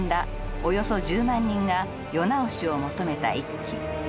およそ１０万人が世直しを求めた一揆。